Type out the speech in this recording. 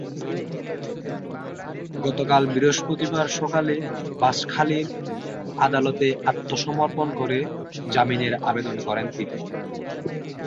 গতকাল বৃহস্পতিবার সকালে বাঁশখালীর আদালতে আত্মসমর্পণ করে জামিনের আবেদন করেন তিনি।